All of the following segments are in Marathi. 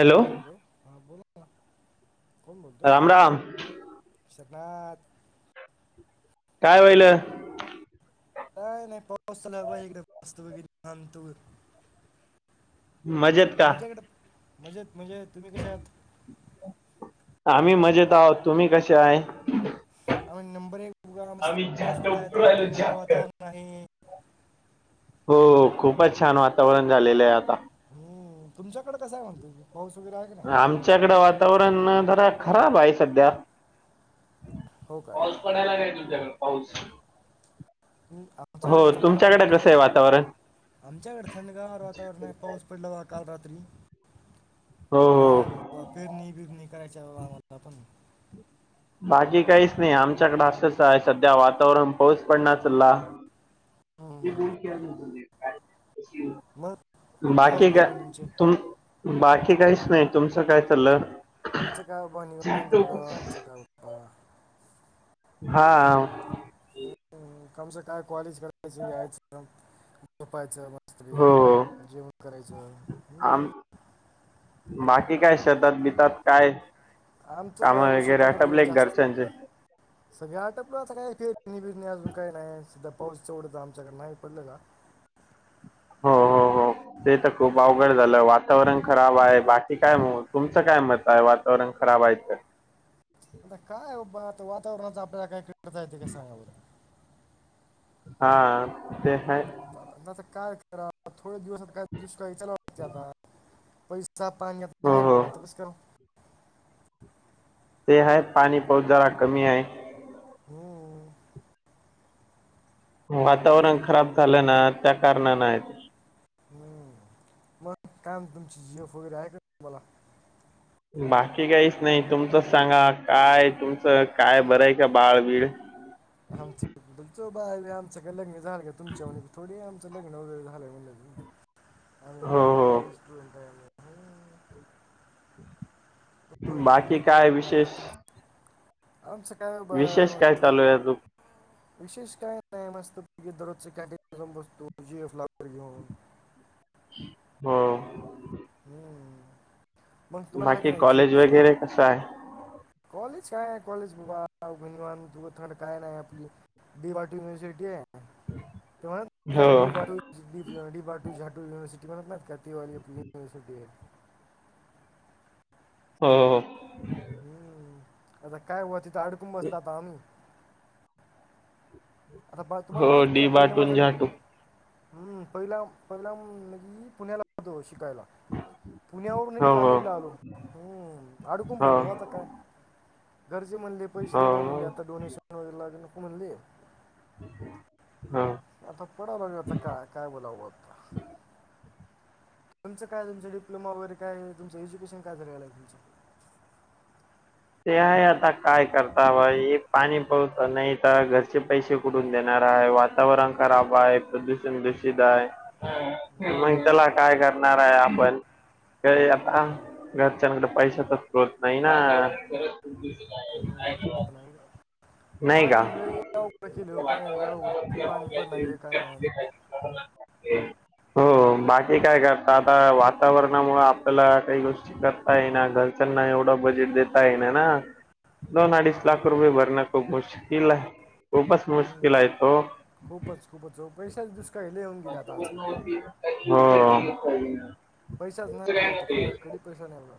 हॅलो. हॅलो हां बोला ना कोण बोलत राम राम विशरनाथ काय होईल. का नाही पाऊस चला एकदमत क तू मजेत का तुमच्याकडे म्हजेत म्हणजे तुम्ही कश आहात. आम्ही मजेत आहोत तुम्ही कसे आहे. म्हण नंबर एक बुघा मस्त पाऊस पडायता थंडगार वातावरण आहे. हो खूपच छान वातावरण झालेलं आहे आता. ह तुमच्याकडे कसं आहे मग पाऊस वगैरे आहे काी आमच्याकडे वात वातावरण जरा खराब आहे सध्या. हो का? पाऊस पडायलाय काय तुमच्याकडे पाऊस आमच्याकडे तर नाही बाबा तुमच्याकडे थोडं कसं आहे वातावरण आमच्याकडे थंडगार वातावरण आहे पाऊस पडलाय काल रात्री हो हो काय ब पेरणी बिरणी करायच्या बा आम्हाला पण बाकी काहीच नाही आमच्याकडे असंच आहे सध्या वातावरण पाऊस पडणाला तर हम्म, हम्म. मग काय बाकी म्हणता का मग तुमचे तुम बाकी काहीच नाही तुमचं काय चालं आमचं काय बाबा निवांत बघा आमचं काय बाबा हा आमच काय कॉलेज करायच यायचं काम [unintelligible] झोपायचं हो मस्तपैकी जेवण करायचं आम हमम बाकी काय शेतात बितात काय आमचं काम काय हो वगैरे शेताकडे वेळ आटपले जास्त घरच्यांचे सगळ्या आटप आता काय फेर बिजणी अजून काही नाहीध पाऊस तेवढं तर आमच्याकडे नाही पडलं का हो हो हो ते तर खूप हम्म, अवघड झालं वातावरण खराब आहे बाकी काय मग तुमचं काय मत आहे वातावरण खराब आहे तं आता काय आता बाबा वातावरणाच आपल्याला काय कळता येत काय सांगा हा ते ह आता तर काय करा थोडे्या दिवसात काय दुष्काळीच्याला वाटते आता पैसे [unintelligible] सा पाणीता हो नाहीही हो बोगा तुस करो [unintelligible] ते ह पाणी पाऊस जरा कमी आहे हो वातावरण खराब झालं ना त्या कारणान नाही हम् मग काम तुमची जिफ वगैरे आहे का मला बाकी काहीच नाही तुमचंच सांगा काय तुमचं काय बरंय का बाळबीळ आमच बाळ आमच कग निझान तुमच्या थोडी आम झा हो कॉ हो स्टुट आहे [unintelligible] तुम्हाला चार बाकी काय विशेष लेकर आमचं काय विशेष बाबा काय मस्त चालू आहे अजून विशेष काही नाही मस्तपैकि दररोजचे कॅटिन ला जावून बस्तू जीफ ला घेऊन हा हम्म मग तुम्हाला आहे काय नाही जीएफ वगैरे हाय कॉलेज काय आहे कॉलेज बघ तु थंड काय नाही आपली डि वाय टी यूनिवर्सिटी आहे [unintelligible] हो डीू झाटू युनिवर्सिटी म्हणत का [unintelligible] डी वाय टी युनिव्हर्सिटी आहे हो हम्म आता काय हो तिथं अडकून बसला आता आम्ही आता बाळ तुम्हाला हो वाटतं आहे डी का पहिल्या बाटून माझा झाटू हम्म पहिला पहिला मी पुण्याला होतो शिकायला पुण्यावरून हो इकडे हो नांधेडला आलो हम्म अडुकून हो पडलो आता काय गरजे म्हणले पैसे देणार हो म्हणले आता डोनेशन वगैरे लाग म्हणले हा आता पडाला मी आता का काय बोलावं होत तुचं कायुमच डिप्ोमा वगैरेयुमं एज्युेशन काय झारायलं आहेुमं ते आहे आता काय करता बा हे पाणी पवत नाही तर घरचे पैसे उडून देणार आहे वातावरण खराब आहे प्रदूषण दूषित आहे मग त्याला काय करणार आहे आपण काय आता हम्म, घरच्यांकडे पैसा तर होत नाही ना ेत नाही नाही का पाण्या अवड केले पाण्या अवघड केले पाणी पड नाही गले काय नाही ते हो बाकी काय करता आता वातावरणामुळे आपल्याला काही गोष्टी करताय ना घर्चरना एवढा बजेट देत य नाही ना दोन अडीच लाख हम्म, रुपय बर न खूप मुश्कल आहे खूपच मुश्कल हम्म. आहे तो खूपच खूपच च पैशच दुष्काळी हे येऊन गेले आजकाल हो पैसाच नाहीला तो कोणा कध पैसा नाहीला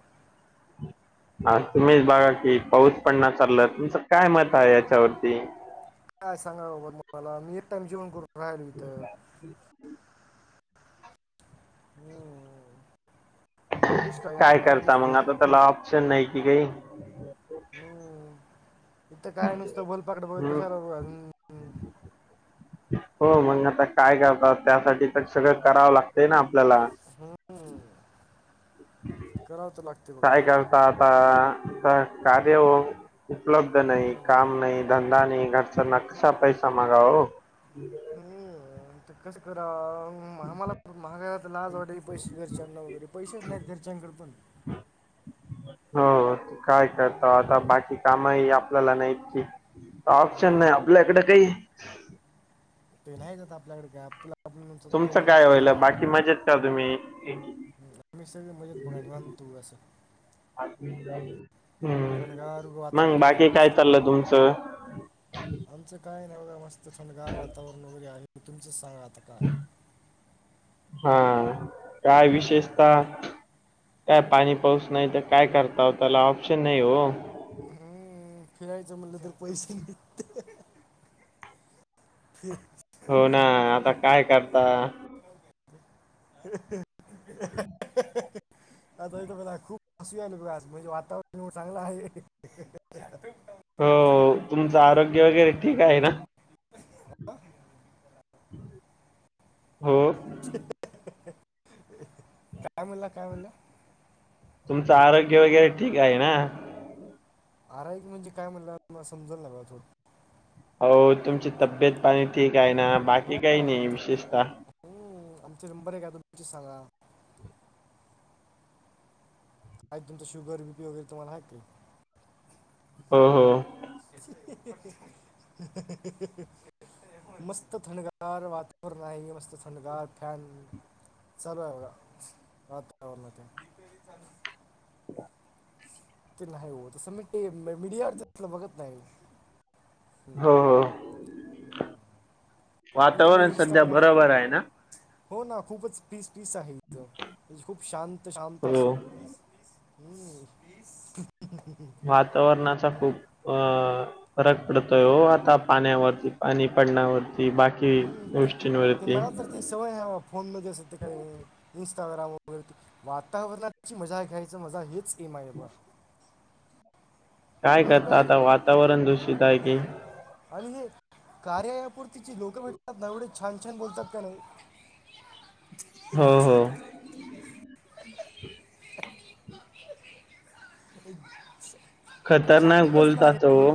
हा तुम्हीच बघा कि पाऊस पण ना चालला तुमचं काय मत आहे याच्यावरती काय सांगा बाबा त मला मी एक टाइम जेवन करू हो होम काय करता मग आता त्याला ऑप्शन नाही कि काही हम्म इ काय नुसतं बोलपाकड बघ त हम् सार अजून हो मग आता काय करतात त्यासाठी तर सगळं करावं लागतय ना आपल्याला हम्म कराव तर लागतेवढ काय करता कार्य उपलब्ध नाइ हम्म. काम नाइ धंदा नि घरचा नक्सा पैसा मागा हम्म ते कसं कराव आम्हाला महागा लाज वाटेल पैसे घरच्यांना वगैरे पैसेच नाइत घरच्यांकड पण हो काय करताव हम्म. आता बाकी कामही आपल्याला नाहीतकी ऑप्शन नाइ हम्म. आपल्याकड काइ त नाही करता आपल्याकडे काय आपला तुमचं काय होईल बाकी मजेत का तुम्ही सग मज बघा तू असं पाच मिनिटांनी थंडगार हम्म मंग वातावरण आहे बाकी काय मस्तपैकी चाललं तुमचं आमचं काय नाइ मस्त थंडगार वातावरण वगेरे आहे तुमचंच सांगा आता काय हा काय हम्म. विशेषत काय पाणी पाऊस नाइ तर काय करताव त्याला ऑप्शन नाइ वो हम्म खेळायचं म्हटलं तर पैसे नाही ते [unintelligible] हो ना आता काय करता [unintelligible] असू बघास म्हणजे वातावरण चांगलं आहे हो तुमचं आरोग्य वगेरे ठीक हम्म. आहे ना हो काय म्हणला काय म्हणला तुमचं आरोग्य वैगेरेर ठीक आये ना आरा एक म्हणजे काय म्हणलाला समाला लाग हो तुमची तब्येत पाणी ठीक आये ना हां बाकी काइ नाही आता विशेषतः आमचे नंबर आहे काय तुमचे सांगा आ दिन त शुगर वपग य तिन हके हो हो [unintelligible] मस्त थंडगार वातावरण आहे मस्त थंडगार फॅन चालूय बगा [unintelligible] [unintelligible] ते नाही हो तसं म मीडियावर तलं बघत नाही ह् हो हो मग तुम्ही वातावरण सद्या इंस्टाग्राम बरोबर आय ना हो ना खूपच पीस पीस आहे त खूप शांत शांत अस हो हम्म वातावरणाचा खूप अ फरक पडतोय हो आता पाण्यावरती पाणी पडण्यावरती बाकी गोष्टींवरती तेवय ह फोनमध्ये ज असं ते काही इं्स्टाग्राम वगैरे ते वातावरणाची मजा घ्यायच मजा हेच एम आहे बघ काय आणि करता आपल्याला आता हे- वातावरण दूषित आहे की आणि हे कार्यायापूरतीची लोक भेटतात ना एवढे छान छान बोलतात का नाही [unintelligible] हो हो [inaudible] अरे शांत खतरनाक बसना अरे बोलतात हो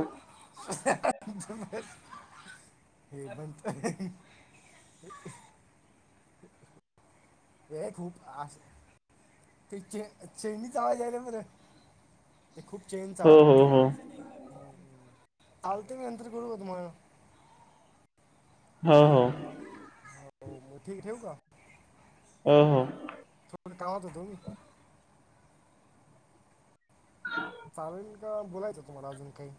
हे म्हणत खूप ते चेनी चावाजला मर ते खूप चेन वाज हो ल हो हो ते मी यंतर करू तुम्हाला हो हो मग ठीक ठेव का हो हो तड कावत तुही साारण का बोलायचं तुम्हाला अजून काही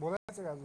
बोलाच राजजू